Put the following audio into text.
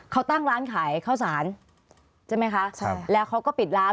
เขาตั้งร้านขายข้าวสารใช่ไหมคะใช่แล้วเขาก็ปิดร้าน